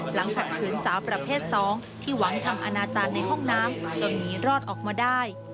ขัดขืนสาวประเภท๒ที่หวังทำอนาจารย์ในห้องน้ำจนหนีรอดออกมาได้